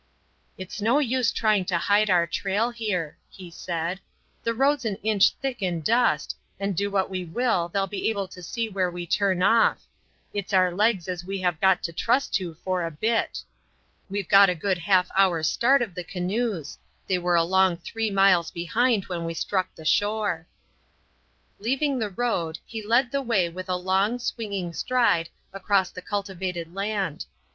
"It's no use trying to hide our trail here," he said. "The road's an inch thick in dust, and do what we will they'll be able to see where we turn off. It's our legs as we have got to trust to for a bit. We've got a good half hour's start of the canoes; they were a long three miles behind when we struck the shore." Leaving the road, he led the way with a long, swinging stride across the cultivated land.